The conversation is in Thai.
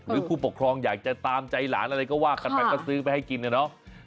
ผู้ปกครองอยากจะตามใจหลานอะไรก็ว่ากันไปก็ซื้อไปให้กินนะเนาะ